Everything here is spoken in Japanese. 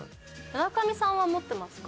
村上さんは持ってますか？